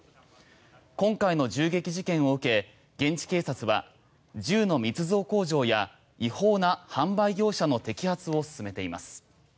今回の銃撃事件を受け現地警察は銃の密造工場や違法な販売業者の摘発を進めています。